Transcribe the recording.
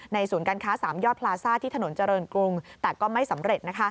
ศูนย์การค้า๓ยอดพลาซ่าที่ถนนเจริญกรุงแต่ก็ไม่สำเร็จ